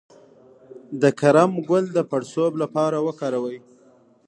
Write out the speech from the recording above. د کرم ګل د پړسوب لپاره وکاروئ